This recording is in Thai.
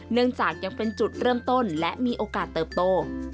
เนื่องจากยังเป็นจุดเริ่มต้นและมีโอกาสเติบโต